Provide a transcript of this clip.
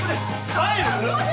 帰る？